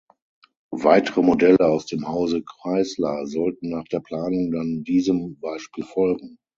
Weitere Modelle aus dem Hause Chrysler sollten nach der Planung dann diesem Beispiel folgen.